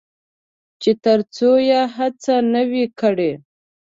چې تر څو هڅه نه وي کړې.